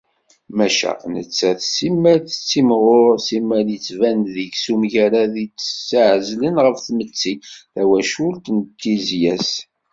Maca, nettat simmal tettimɣur simmal yettban-d deg-s umgarad i tt-iεezlen ɣef tmetti, tawacult d tizzya-s.